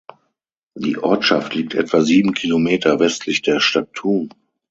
Die Ortschaft liegt etwa sieben Kilometer westlich der Stadt Thun.